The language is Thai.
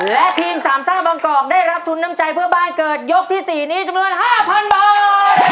และทีมสามซ่าบางกอกได้รับทุนน้ำใจเพื่อบ้านเกิดยกที่๔นี้จำนวน๕๐๐๐บาท